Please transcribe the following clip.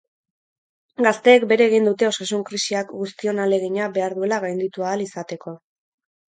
Gazteek bere egin dute osasun-krisiak guztion ahalegina behar duela gainditu ahal izateko.